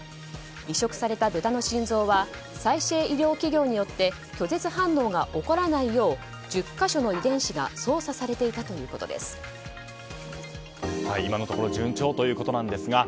移植された豚の心臓は再生医療企業によって拒絶反応が起こらないよう１０か所の遺伝子が操作されていたということです。